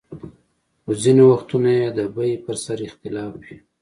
خو ځینې وختونه یې د بیې پر سر اختلاف وي.